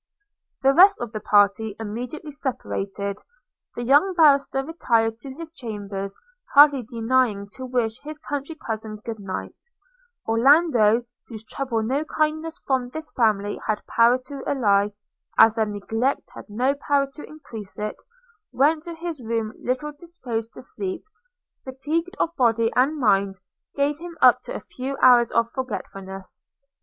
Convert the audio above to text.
The rest of the party immediately separated: the young barrister retired to his chambers, hardly deigning to wish his country cousin good night – Orlando, whose trouble no kindness from this family had power to allay, as their neglect had no power to increase it, went to his room little disposed to sleep; fatigue of body and mind gave him up to a few hours of forgetfulness.